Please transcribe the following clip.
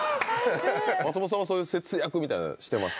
松本さんはそういう節約とかしてました？